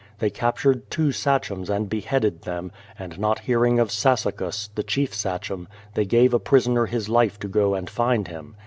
They captured two sachems and beheaded them, and not hearing o£ Sassacus, the chief sachem, they gave a prisoner his Hfe to go and find him.